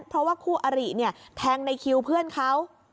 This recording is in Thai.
เพราะว่าคู่อริเนี่ยแทงในคิวเพื่อนเขา